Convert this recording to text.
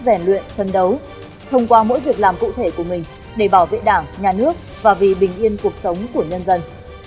rèn luyện thân đấu thông qua mỗi việc làm cụ thể của mình để bảo vệ đảng nhà nước và vì bình yên cuộc sống của nhân dân